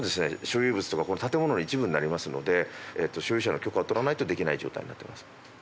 所有物というかこの建物の一部になりますので所有者の許可を取らないとできない状態になってます。